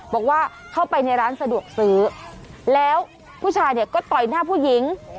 บอกว่าเข้าไปในร้านสะดวกซื้อแล้วผู้ชายเนี่ยก็ต่อยหน้าผู้หญิง